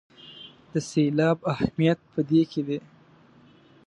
د سېلاب اهمیت په دې کې دی.